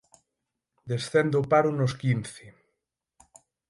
Descende o paro nos Quince